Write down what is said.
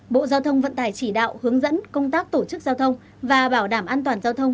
bộ giao thông vận tải chỉ đạo hướng dẫn công tác tổ chức giao thông và bảo đảm an toàn giao thông